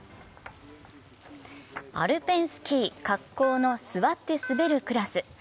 アルペンスキー・滑降の座って滑るクラス。